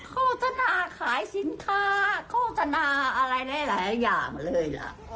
โฆษณาขายสินค้าโฆษณาอะไรแน่อย่างเลย